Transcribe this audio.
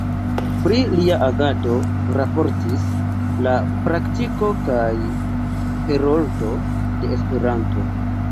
Pri lia agado raportis „La Praktiko“ kaj „Heroldo de Esperanto“.